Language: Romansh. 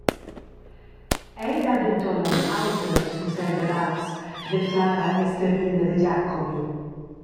Ei dat denton aunc autras pusseivladads», declara Esterina Degiacomi.